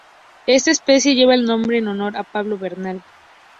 Esta especie lleva el nombre en honor a Pablo Bernal.